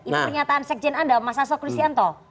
ini pernyataan sekjen anda mas aso kristianto